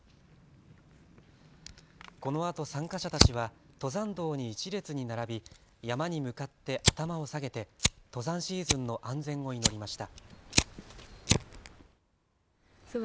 このあと参加者たちは登山道に一列に並び山に向かって頭を下げて登山シーズンの安全を祈りました。